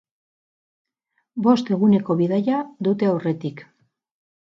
Bost eguneko bidaia dute aurretik.